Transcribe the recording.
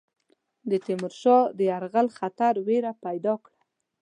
د تیمور شاه د یرغل خطر وېره پیدا کړه.